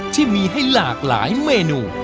ที่มีให้หลากหลายเมนู